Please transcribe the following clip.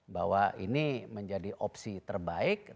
bahwa ini menjadi opsi terbaik